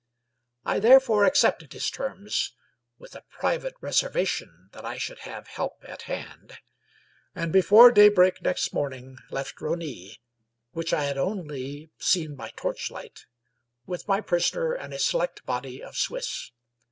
I therefore accepted his terms— with a private reservation that I should have help at hand — ^and before daybreak next morning left Rosny, which I had only seen by torchlight, with my prisoner and a select body^ 145 English Mystery Stories of Swiss.